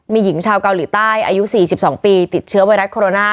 มีหญิงชาวเกาหลีใต้อายุ๔๒ปีติดเชื้อไวรัสโคโรนา